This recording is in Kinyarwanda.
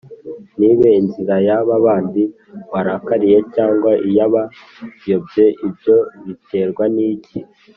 ntibe (inzira) ya ba bandi warakariye cyangwa iy’abayobye ibyo biterwa n’iki?